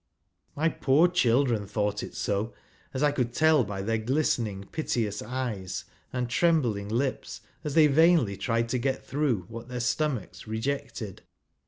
My poor children thought it so, as I could tell by their glistening ,, piteous eyes and trembling lips, as they vainly tried to get through what their stomachs rejected.